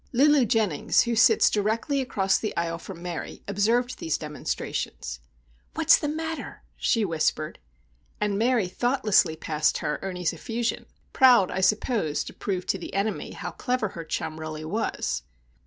Lulu Jennings, who sits directly across the aisle from Mary, observed these demonstrations. "What's the matter?" she whispered. And Mary thoughtlessly passed her Ernie's effusion;—proud, I suppose, to prove to the enemy how clever her chum really was.